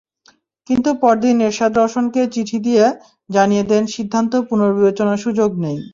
কিন্তু পরদিন এরশাদ রওশনকে চিঠি দিয়ে জানিয়ে দেন, সিদ্ধান্ত পুনর্বিবেচনার সুযোগ নেই।